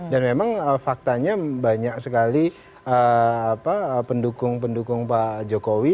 dan memang faktanya banyak sekali pendukung pendukung pak jokowi